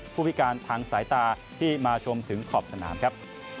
ผู้พิการทางสายตาที่มาชมถึงขอบสนามครับ